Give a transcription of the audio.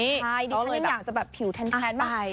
ใช่ดิฉันยังอยากจะแบบผิวแทนไป